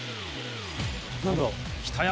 「北山